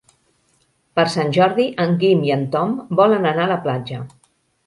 Per Sant Jordi en Guim i en Tom volen anar a la platja.